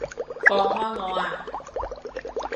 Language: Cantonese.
放開我啊！